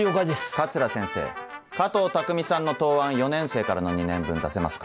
桂先生加藤匠さんの答案４年生からの２年分出せますか。